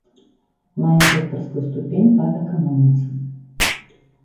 Мае доктарскую ступень па эканоміцы.